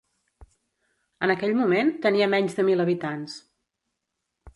En aquell moment, tenia menys de mil habitants.